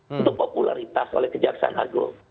untuk popularitas oleh kejaksaan agung